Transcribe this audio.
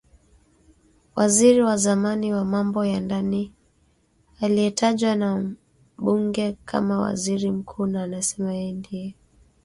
Waziri wa zamani wa mambo ya ndani aliyetajwa na bunge kama waziri mkuu, na anasema yeye ndie msimamizi halali wa nchi hadi uchaguzi ufanyike.